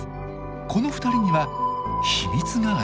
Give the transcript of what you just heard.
この２人には秘密があるんです！